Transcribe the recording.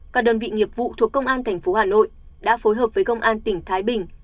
các đơn vị nghiệp vụ thuộc công an tp hà nội đã phối hợp với công an tỉnh thái bình